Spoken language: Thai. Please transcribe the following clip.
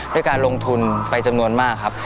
ด้วยการลงทุนไปจำนวนมากครับ